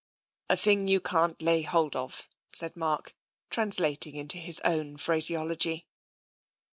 " A thing you can't lay hold of," said Mark, trans lating into his own phraseology.